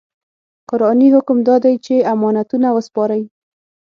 قرآني حکم دا دی چې امانتونه وسپارئ.